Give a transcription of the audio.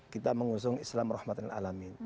kita mengusung islam rahmatan alamin